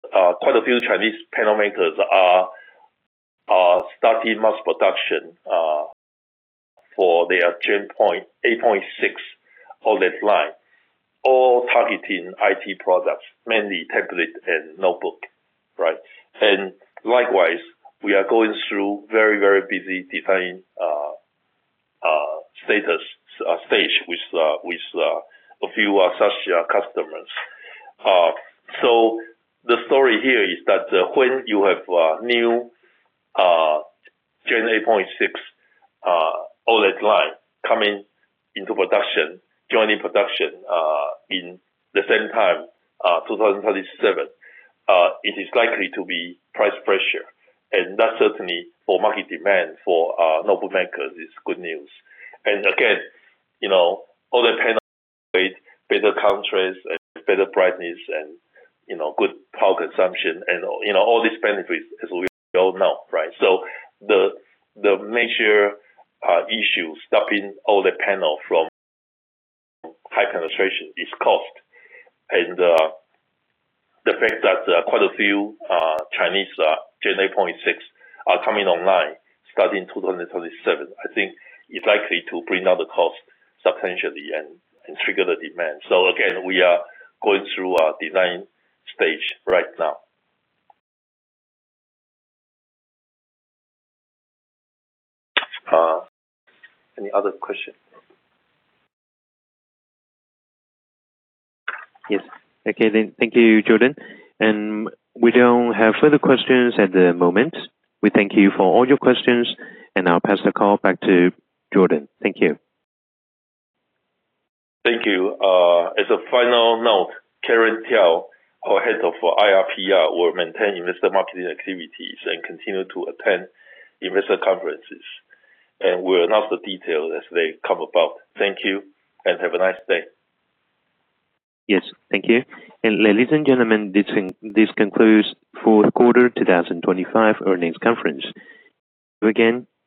quite a few Chinese panel makers are starting mass production for their Gen 8.6 OLED line, all targeting IT products, mainly tablet and notebook, right? And likewise, we are going through very, very busy design status stage with a few such customers. So the story here is that, when you have new Gen 8.6 OLED line coming into production, joining production, in the same time, 2027, it is likely to be price pressure. And that certainly for market demand for notebook makers is good news. Again, you know, all the panel with better contrast and better brightness and, you know, good power consumption and, you know, all these benefits as we all know, right? So the major issue stopping all the panel from high penetration is cost. The fact that quite a few Chinese Gen 8.6 are coming online starting 2027, I think it's likely to bring down the cost substantially and trigger the demand. So again, we are going through a design stage right now. Any other question? Yes. Okay, then. Thank you, Jordan. And we don't have further questions at the moment. We thank you for all your questions, and I'll pass the call back to Jordan. Thank you. Thank you. As a final note, Karen Tiao, our head of IR/PR, will maintain investor marketing activities and continue to attend investor conferences, and we'll announce the details as they come about. Thank you, and have a nice day. Yes, thank you. Ladies and gentlemen, this concludes fourth quarter 2025 earnings conference. Again, goodbye.